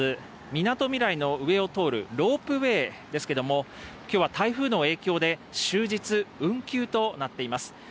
みなとみらいの上を通るロープウエーですけども、きょうは台風の影響で終日運休となっています。